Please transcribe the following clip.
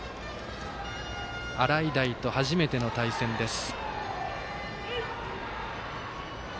洗平と初めての対戦です。